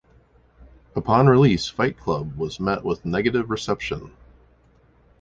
Upon release, "Fight Club" was met with negative reception.